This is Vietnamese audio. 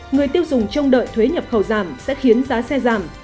người tiêu dùng trông đợi thuế nhập khẩu giảm sẽ khiến giá xe giảm